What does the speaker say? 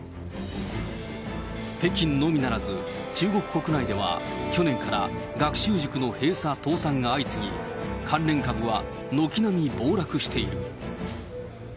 北京のみならず、中国国内では去年から、学習塾の閉鎖、倒産が相次ぎ、関連株は軒並み暴落している。